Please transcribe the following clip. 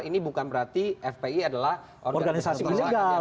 ini bukan berarti fpi adalah organisasi yang terlalu penting